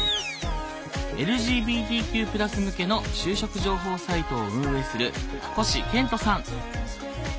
ＬＧＢＴＱ＋向けの就職情報サイトを運営する星賢人さん。